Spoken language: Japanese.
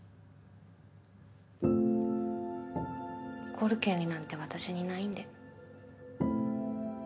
怒る権利なんて私にないんで。